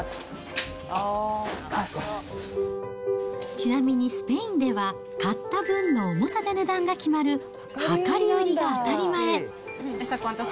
ちなみにスペインでは、買った分の重さで値段が決まる量り売りが当たり前。